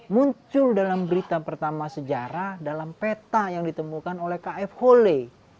muncul dalam berita pertama sejarah dalam peta yang ditemukan oleh kf hole